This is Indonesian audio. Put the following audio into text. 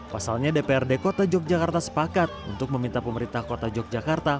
pasalnya dprd kota yogyakarta sepakat untuk meminta pemerintah kota yogyakarta